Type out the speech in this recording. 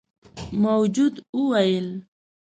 موجود وويل: